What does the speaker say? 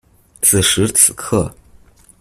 此時此刻